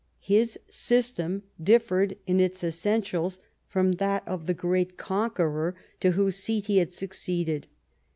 His system differed, in its essen tials, from that of the great conqueror to whose seat he had succeeded.